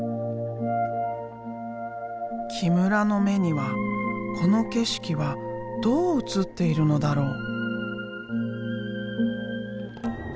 木村の目にはこの景色はどう映っているのだろう？